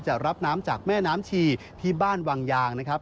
จะรับน้ำจากแม่น้ำชีที่บ้านวังยางนะครับ